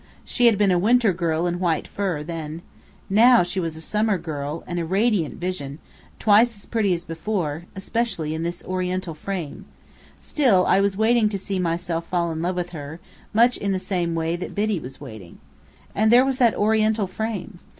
She had been a winter girl in white fur, then. Now she was a summer girl, and a radiant vision, twice as pretty as before, especially in this Oriental frame; still I was waiting to see myself fall in love with her, much in the same way that Biddy was waiting. And there was that Oriental frame!